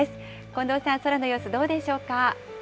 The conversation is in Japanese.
近藤さん、空の様子どうでしょうか。